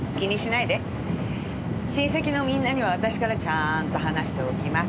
親戚のみんなには私からちゃんと話しておきます。